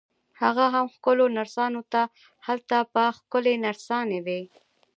هغه هم ښکلو نرسانو ته، هلته به ښکلې نرسانې وي.